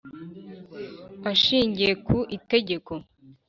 Ashingiye ku Itegeko